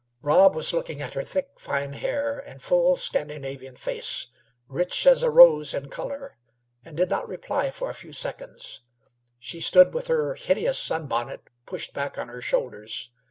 Rob was looking at her thick, fine hair and full Scandinavian face, rich as a rose in color, and did not reply for a few seconds. She stood with her hideous sun bonnet pushed back on her shoulders.